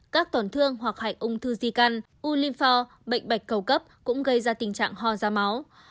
các tổn thương hoặc hạnh ung thư di căn ulympho bệnh bạch cầu cấp cũng gây ra tình trạng hoa da máu